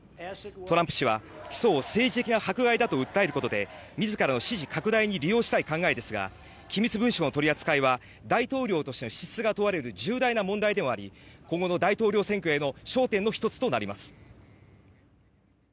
トランプ氏は、起訴を政治的な迫害だと訴えることで自らの支持拡大に利用したい考えですが機密文書の取り扱いは大統領としての資質が問われる重大な問題でもあり今後の大統領選挙の焦点の１つとなります。